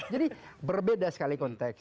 jadi berbeda sekali konteks